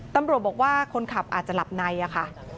ตำรวจบอกว่าคนขับอาจจะหลับในอะค่ะ